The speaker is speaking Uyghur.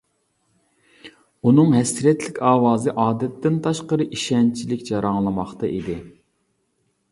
ئۇنىڭ ھەسرەتلىك ئاۋازى ئادەتتىن تاشقىرى ئىشەنچلىك جاراڭلىماقتا ئىدى.